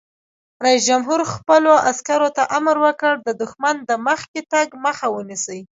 رئیس جمهور خپلو عسکرو ته امر وکړ؛ د دښمن د مخکې تګ مخه ونیسئ!